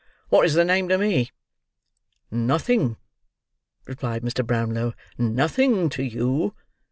"What is the name to me?" "Nothing," replied Mr. Brownlow, "nothing to you.